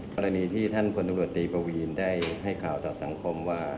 ควรณีที่ท่านพทปวีนได้ให้ข่าวต่อสังคมว่า